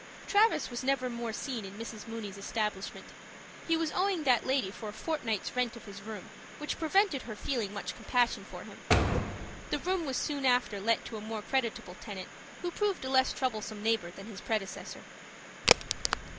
Travis was never more seen in Mrs. Mooney's establishment. He was owing that lady for a fortnight's rent of his room, which prevented her feeling much compassion for him. The room was soon after let to a more creditable tenant who proved a less troublesome neighbor than his predecessor.